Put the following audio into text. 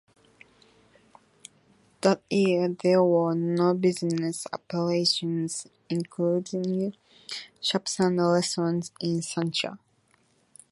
That year there were no business operations, including shops and restaurants, in Sancha.